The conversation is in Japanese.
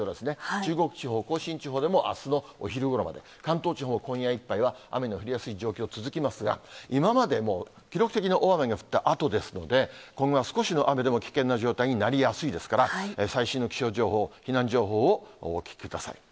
中国地方、甲信地方でもあすのお昼頃まで、関東地方、今夜いっぱいは雨の降りやすい状況、続きますが、今までも、記録的な大雨が降ったあとですので、今後は少しの雨でも、危険な状態になりやすいですから、最新の気象情報、避難情報をお聞きください。